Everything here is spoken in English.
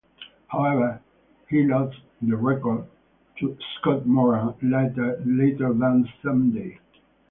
However, he lost the record to Scott Moran later that same day.